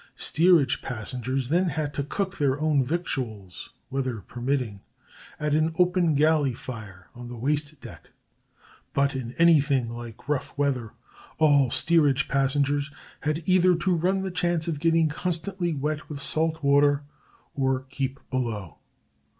"Steerage passengers then had to cook their own victuals, weather permitting, at an open galley fire on the waist deck; ... but in anything like rough weather, all steerage passengers had either to run the chance of getting constantly wet with salt water or keep below."